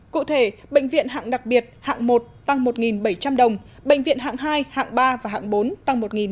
cụ thể bệnh viện hạng đặc biệt hạng một tăng một bảy trăm linh đồng bệnh viện hạng hai hạng ba và hạng bốn tăng